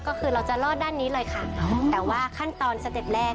ก็คือเราจะรอดด้านนี้เลยค่ะแต่ว่าขั้นตอนสเต็ปแรก